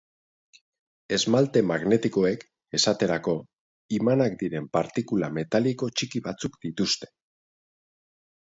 Esmalte magnetikoek, esaterako, imanak diren partikula metaliko txiki batzuk dituzte.